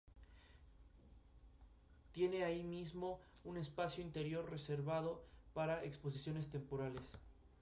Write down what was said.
El Colegio está situado en el Campus Universitario Miguel de Unamuno.